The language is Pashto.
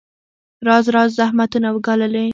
راز راز زحمتونه وګاللې.